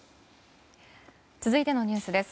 続いてのニュースです。